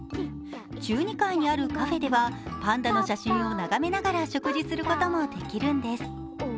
中２階にあるカフェではパンダの写真を眺めながら食事をすることもできるんです。